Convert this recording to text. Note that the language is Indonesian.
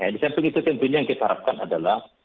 di samping itu tentunya yang kita harapkan adalah